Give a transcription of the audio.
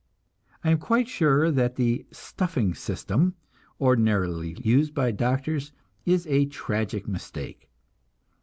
I am quite sure that the "stuffing system," ordinarily used by doctors, is a tragic mistake.